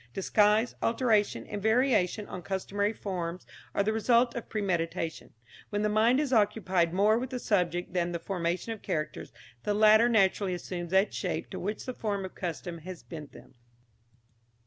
Disguise, alteration and variation on customary forms are the result of premeditation. When the mind is occupied more with the subject than the formation of characters, the latter naturally assume that shape to which the force of custom has bent them.